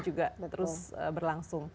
juga terus berlangsung